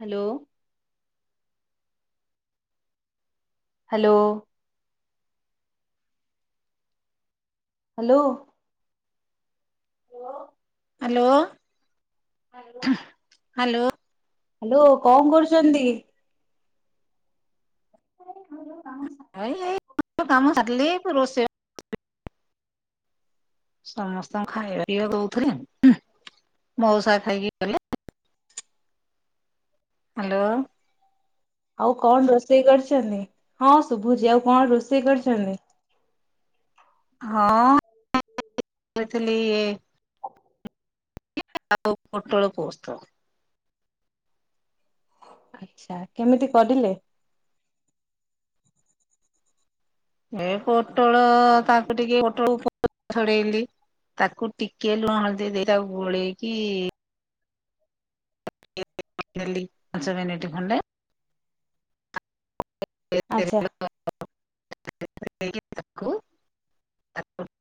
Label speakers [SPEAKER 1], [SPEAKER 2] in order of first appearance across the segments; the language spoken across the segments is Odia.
[SPEAKER 1] Hello. Hello. Hello. [unintelligible]
[SPEAKER 2] Hello hello.
[SPEAKER 1] Hello କଣ କରୁଛନ୍ତି? [unintelligible]
[SPEAKER 2] ଏ ଏଇ କାମ ସାରିଲି ରୋସେ ସମସ୍ତଙ୍କୁ ଖାଇବା ପିଇବା ଦଉଥିଲି ଉଃ ମଉସା ଖାଇକି ଗଲେ। ହ୍ୟାଲୋ।
[SPEAKER 1] ଆଉ କଣ ରୋଷେଇ କରିଛନ୍ତି ହଁ ଶୁଭୁଜି ଆଉ କଣ ରୋଷେଇ କରିଛନ୍ତି?
[SPEAKER 2] ହଁଥିଲି ଇ [unintelligible] ଆଉ ପୋଟଳ ପୋସ୍ତ।
[SPEAKER 1] ଆଛା କେମିତି କରିଲେ?
[SPEAKER 2] ଏ ପୋଟଳ ତାକୁ ଟିକେ ପୋଟଳ ପ ଛଡେଇଲି। ତାକୁ ଟିକେ ଲୁଣ ହଳ ଦେଇ ତାକୁ ଗୋଳେଇକି [unintelligible] ପାଞ୍ଚ ମିନିଟ୍ ଖଣ୍ଡେ।
[SPEAKER 1] ଆଚ୍ଛା
[SPEAKER 2] [unintelligible]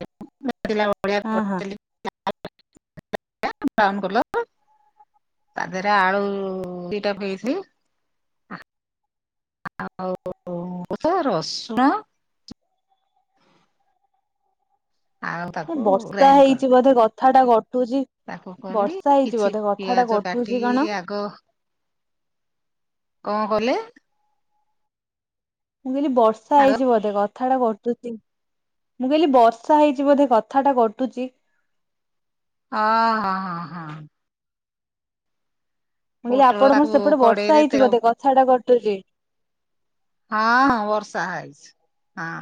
[SPEAKER 2] [unintelligible] [unintelligible]
[SPEAKER 1] ହଁ ହଁ
[SPEAKER 2] ତା ଦେହରେ ଆଳୁ ଦିଟାଇଲି। ଆଉ ରସୁଣ ଆଉ ତାକୁ
[SPEAKER 1] ବର୍ଷା
[SPEAKER 2] ଗ୍ରାଇଣ୍ଡ କରି
[SPEAKER 1] ହେଇଛି ବୋଧେ କଥା ଟା କଟୁଛି।
[SPEAKER 2] ତାକୁ କଲି
[SPEAKER 1] ବର୍ଷା ହେଇଛି
[SPEAKER 2] କିଛି
[SPEAKER 1] ବୋଧେ କଥା ଟା
[SPEAKER 2] ପିଆଜ
[SPEAKER 1] କଟୁଛି
[SPEAKER 2] କାଟିକି
[SPEAKER 1] କଣ?
[SPEAKER 2] ଆଗ କଣ କଲେ
[SPEAKER 1] ମୁଁ କହଲିି ବର୍ଷା
[SPEAKER 2] ହାଲୋ
[SPEAKER 1] ହେଇଛି ବୋଧେ କ କଥା ଟା କଟୁଛି ମୁଁ କହିଲି ବର୍ଷା ହେଇଛି ବୋଧେ କଥାଟା କଟୁଛି।
[SPEAKER 2] ହଁ ହଁ ହଁ ହଁ।
[SPEAKER 1] ମୁଁ କହିଲି
[SPEAKER 2] ପୋଟଳ
[SPEAKER 1] ଆପଣ ମୋର
[SPEAKER 2] ତାକୁ
[SPEAKER 1] ସେପଟ ବର୍ଷ
[SPEAKER 2] କଡେଇରେ
[SPEAKER 1] ହେଇଛି
[SPEAKER 2] ତେଲ
[SPEAKER 1] ବୋଧେ କଥାଟା କଟୁଛି।
[SPEAKER 2] ହଁ ହଁ ବର୍ଷା ହେଇଛି ହଁ।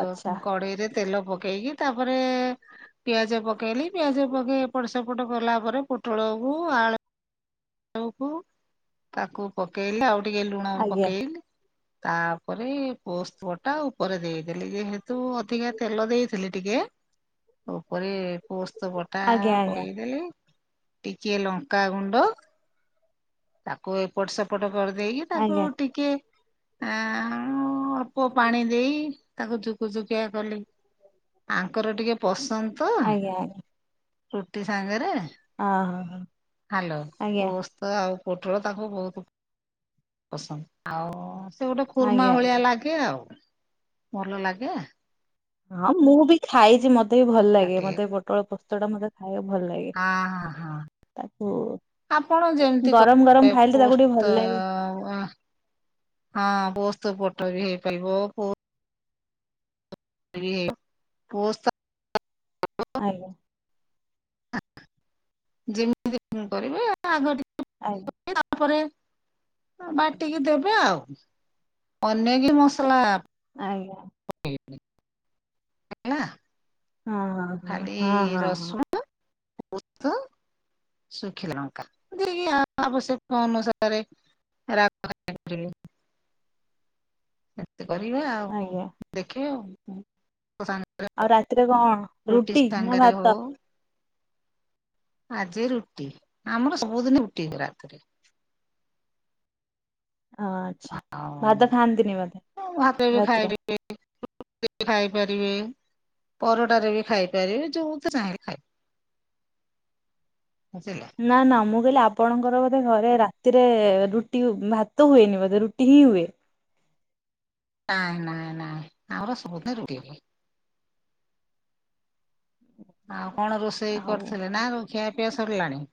[SPEAKER 1] ଆଚ୍ଛା
[SPEAKER 2] କଡେଇରେ ତେଲ ପକେଇକି ତାପରେ ପିଆଜ ପକେଇଲି ପିଆଜ ପକେଇ ଏପଟ ସେପଟ କଲା ପରେ ପୋଟଳକୁ ଆଳୁ [unintelligible] ତାକୁ ପକେଇଲେ ଆଉ ଟିକେ ଲୁଣ
[SPEAKER 1] ଆଜ୍ଞା
[SPEAKER 2] ପକେଇଲି। ତାପରେ ପୋସ୍ତପ ଟା ଉପରେ ଦେଇଦେଲି ଯେହେତୁ ଅଧିକା ତେଲ ଦେଇଥିଲି ଟିକେ। ଉପରେ ପୋସ୍ତ ବଟା
[SPEAKER 1] ଆଜ୍ଞା ଆଜ୍ଞା।
[SPEAKER 2] ପକେଇଦେଲେ ଟିକେ ଲଙ୍କା ଗୁଣ୍ଡ। ତାକୁ ଏପଟ ସେପଟ କରିଦେଇକି ତାକୁ
[SPEAKER 1] ଆଜ୍ଞା
[SPEAKER 2] ଟିକେ ଆ ଅଳ୍ପ ପାଣି ଦେଇ ତାକୁ ଝୁକୁଝୁକିଆ କଲି। ଆଙ୍କର ଟିକେ ପସନ୍ଦ ତ
[SPEAKER 1] ଆଜ୍ଞା ଆଜ୍ଞା
[SPEAKER 2] ରୁଟି ସାଙ୍ଗରେ।
[SPEAKER 1] ହଁ ହଁ
[SPEAKER 2] ହ୍ୟାଲୋ
[SPEAKER 1] ଆଜ୍ଞା
[SPEAKER 2] ପୋସ୍ତ ଆଉ ପୋଟଳ ତାକୁ ବହୁତ ପସନ୍ଦ ଆଉ ସେ ଗୋଟେ ଖୁର୍ମା
[SPEAKER 1] ଆଜ୍ଞା
[SPEAKER 2] ଭଳିଆ
[SPEAKER 1] ଆଜ୍ଞା।
[SPEAKER 2] ଲାଗେ। [unintelligible] ଆଉ ଭଲ ଲାଗେ।
[SPEAKER 1] ହଁ ମୁଁ ବି ଖାଇଛି ମତେ ବି ଭଲ
[SPEAKER 2] ତା
[SPEAKER 1] ଲାଗେ
[SPEAKER 2] ଟିକେ
[SPEAKER 1] ମତେ ପୋଟଳ ପୋସ୍ତ ଟା ମତେ ଖାଇବାକୁ ଭଲ ଲାଗେ।।
[SPEAKER 2] ହଁ ହଁ ହଁ
[SPEAKER 1] ତାକୁ
[SPEAKER 2] ଆପଣ ଯେମିତି
[SPEAKER 1] ଗରମ ଗରମ
[SPEAKER 2] କରିବେ
[SPEAKER 1] ଖାଇଲେ ତାକୁ ଟିକେ
[SPEAKER 2] ପୋସ୍ତ
[SPEAKER 1] ଭଲ ଲାଗେ
[SPEAKER 2] ହଁ ପୋସ୍ତ ଫଟୋ ବି ହେଇପାରିବ। [unintelligible]
[SPEAKER 1] ଆଜ୍ଞା
[SPEAKER 2] ଯେମିତି କରିବେ ଆ ଆଗ ଟିକ
[SPEAKER 1] ଆଇ
[SPEAKER 2] ତାପରେ। ବାଟିକି ଦେବେ ଆଉ ଅନ୍ୟକି ମସଲା।
[SPEAKER 1] ଆଜ୍ଞା।
[SPEAKER 2] [unintelligible]
[SPEAKER 1] ହଁ ହଁ
[SPEAKER 2] ଖାଲି
[SPEAKER 1] ହଁ ହଁ।
[SPEAKER 2] [unintelligible] ଶୁଖିଲ ଲଙ୍କା ଯ ଆବଶ୍ୟକ ଅନୁସାରେ। [unintelligible] କରିବା ଆଉ
[SPEAKER 1] ଆଜ୍ଞା।
[SPEAKER 2] ଦେଖିବା ଆଉ। ସା
[SPEAKER 1] ଆଉ ରାତିରେ କଣ
[SPEAKER 2] ରୁଟି
[SPEAKER 1] ରୁଟି ନା
[SPEAKER 2] ସାଙ୍ଗରେ
[SPEAKER 1] ଭାତ
[SPEAKER 2] ହଉ। ଆଜି ରୁଟି ଆମର ସବୁଦିନ ରୁଟି ରାତିରେ।
[SPEAKER 1] ଓ ଆଚ୍ଛା
[SPEAKER 2] ଆଉ
[SPEAKER 1] ଭାତ ଖାଆନ୍ତିନି ବୋଧେ
[SPEAKER 2] ଭାତରେ ବି ଖାଇ
[SPEAKER 1] ରାତିରେ।
[SPEAKER 2] ଖାଇପାରିବେ। ପରଟାରେ ବି ଖାଇପାରିବେ ଯୋଉଥି ଚାହିଁ ଖାଇ। ବୁଝିଲ।
[SPEAKER 1] ନା ନା ମୁଁ କହିଲି ଆପଣଙ୍କର ବୋଧେ ଘରେ ରାତିରେ ରୁଟି ଭାତ ହୁଏନି ବୋଧେ ରୁଟି ହିଁ ହୁଏ।
[SPEAKER 2] ନାଇଁ ନାଇଁ ନାଇଁ ଆମର ସବୁଦିନ ରୁଟି। ଆଉ କଣ ରୋଷେଇ
[SPEAKER 1] ଆଉ
[SPEAKER 2] କରିଥିଲେ ନା ର ଖିଆ ପିଆ ସରିଲାଣି।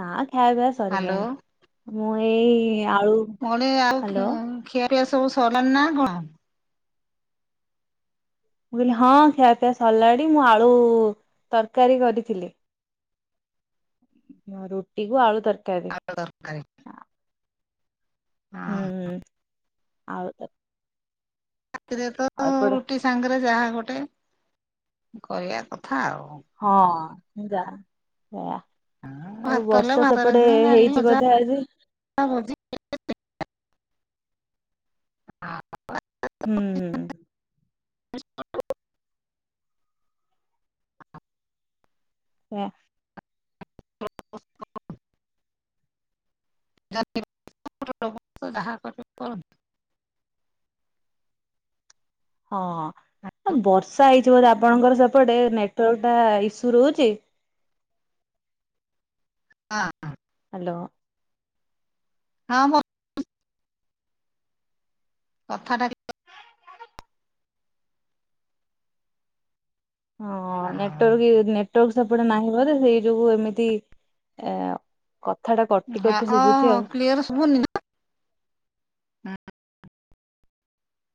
[SPEAKER 1] ନା ଖାଇବା ପିଇବା
[SPEAKER 2] ହ୍ୟାଲୋ।
[SPEAKER 1] ସରିଲାଣି ମୁଁ ଏଇ ଆଳୁ।
[SPEAKER 2] କଳି ଆଉ
[SPEAKER 1] ହ୍ୟାଲୋ
[SPEAKER 2] ଖିଆ ପିଆ ସବୁ ସରିଲଣି ନା କଣ।
[SPEAKER 1] ମୁଁ କହିଲି ହଁ ଖିଆପିଆ ସଲାଡି ମୁଁ ଆଳୁ ତରକାରୀ କରିଥିଲି। ନାଁ ରଟିଗୁ ଆଳୁ ତରକାରି।
[SPEAKER 2] ଦରକାରୀ।
[SPEAKER 1] ହୁଁ ହଁ ଆଉ।
[SPEAKER 2] ସେରେ ତ।
[SPEAKER 1] ଆଉ କଡ।
[SPEAKER 2] ରୁଟି ସାଙ୍ଗରେ ଯାହା ଗୋଟେ କରିବା କଥା ଆଉ।
[SPEAKER 1] ହଁ ଯା ସେୟା।
[SPEAKER 2] ହଁ
[SPEAKER 1] ଆଉ
[SPEAKER 2] ଭାତ ହେଲେ
[SPEAKER 1] ବର୍ଷା ସେପଟେ ହେଇଛି ବୋଧେ ଆଜି?
[SPEAKER 2] ହଁ।
[SPEAKER 1] ହୁଁ ହୁଁ। ହୁଁ।
[SPEAKER 2] [inaudible]
[SPEAKER 1] ହଁ ବର୍ଷା ହେଇଛି ବୋଧେ ଆପଣଙ୍କର ସେପଟେ ନେଟୱାର୍କଟା ଇସ୍ୟୁ ରହୁଛି।
[SPEAKER 2] ହଁ ହଁ।
[SPEAKER 1] ହ୍ୟାଲୋ।
[SPEAKER 2] ହଁ। କଥାଟା।
[SPEAKER 1] ହଁ ନେଟାର୍କ ନେଟୱାର୍କ ସେପଟ ନାହିଁବ ତ ସେଇ ଯୋଗୁ ଏମିତି ଏ କଥା ଟା କଟି କଟି ଶୁଭୁଛି ଆଉ।
[SPEAKER 2] ହୁ ହୁଁ।